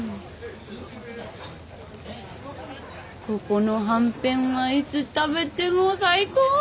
ここのはんぺんはいつ食べても最高！